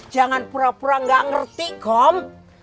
jangan pura pura gak ngerti kom